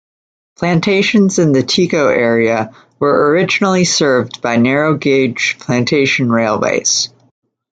Plantations in the Tiko area were originally served by narrow gauge plantation railways.